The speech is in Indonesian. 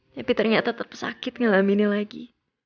tapi ternyata tetap sakit ngalaminnya lagi